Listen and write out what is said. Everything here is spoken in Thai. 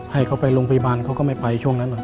ให้เขาไปโรงพยาบาลเขาก็ไม่ไปช่วงนั้นหรอก